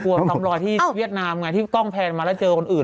ซ้ำรอยที่เวียดนามไงที่กล้องแพนมาแล้วเจอคนอื่น